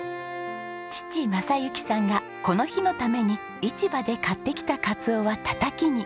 父正幸さんがこの日のために市場で買ってきたカツオはたたきに。